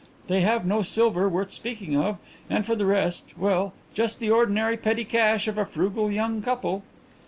They have no silver worth speaking of, and for the rest well, just the ordinary petty cash of a frugal young couple."